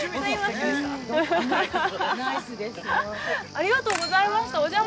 ありがとうございます。